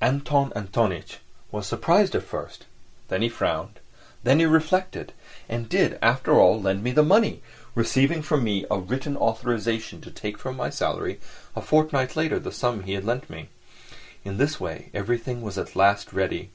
Anton Antonitch was surprised at first, then he frowned, then he reflected, and did after all lend me the money, receiving from me a written authorisation to take from my salary a fortnight later the sum that he had lent me. In this way everything was at last ready.